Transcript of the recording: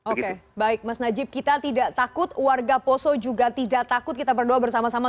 oke baik mas najib kita tidak takut warga poso juga tidak takut kita berdoa bersama sama